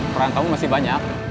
peran kamu masih banyak